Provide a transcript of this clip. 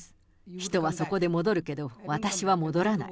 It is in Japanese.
人はそこで戻るけど、私は戻らない。